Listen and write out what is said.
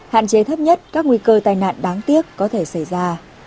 hạn chế thấp nhất các nguy cơ tai nạn đáng tiếc có thể xảy ra